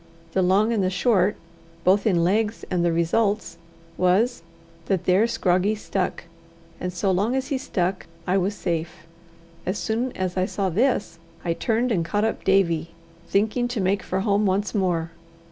The long and the short, both in legs and results, was, that there Scroggie stuck; and so long as he stuck, I was safe. As soon as I saw this, I turned and caught up Davie, thinking to make for home once more.